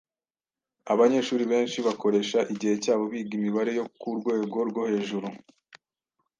Abanyeshuri benshi bakoresha igihe cyabo biga imibare yo ku rwego rwo hejuru